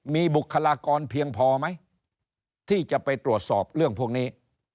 มีบุคลากรเพียงพอไหมที่จะไปตรวจสอบเรื่องพวกนี้